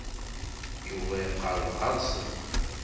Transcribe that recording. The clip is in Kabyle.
Yuba iqerreb ɣer-sen.